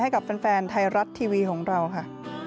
ให้กับแฟนไทยรัฐทีวีของเราค่ะ